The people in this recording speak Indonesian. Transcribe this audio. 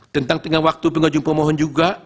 tentang tengah waktu pengajukan pemohon juga